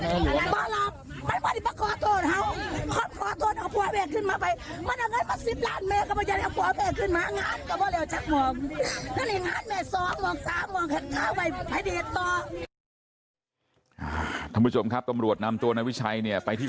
แม่เห็นว่าผู้ต้องหามางดอกไม้ตอบขอโทษแม่แล้วหรอ